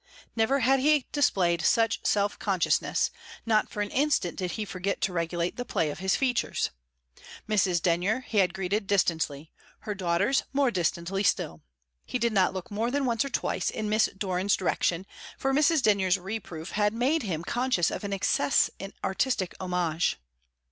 Never had he displayed such self consciousness; not for an instant did he forget to regulate the play of his features. Mrs. Denyer he had greeted distantly; her daughters, more distantly still. He did not look more than once or twice in Miss Doran's direction, for Mrs. Denyer's reproof had made him conscious of an excess in artistic homage.